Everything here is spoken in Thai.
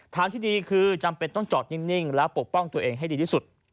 ทางที่ดีคือจำเป็นต้องจอดนิ่งและปกป้องตัวเองให้ดีที่สุด